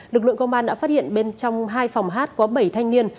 lực lượng công an đã phát hiện bên trong hai phòng hát có bảy thanh niên